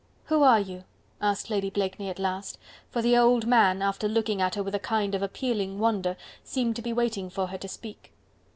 "Who are you?" asked Lady Blakeney at last, for the old man after looking at her with a kind of appealing wonder, seemed to be waiting for her to speak.